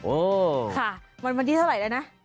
โอ้ค่ะวันวันที่เท่าไหร่แล้วนะ